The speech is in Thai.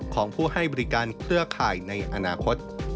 ของผู้ให้บริการเครือข่ายในอนาคต